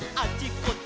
こっち！